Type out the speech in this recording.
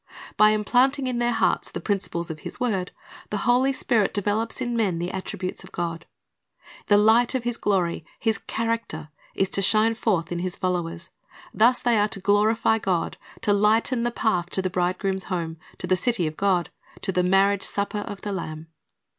By implanting in their hearts the principles of His word, the Holy Spirit develops in men the attributes of God. The light of His glory — His char acter — is to shine forth in His followers. Thus they are to glorify God, to lighten the path to the Bridegroom's home, to the city of God, to the marriage supper of the Lamb.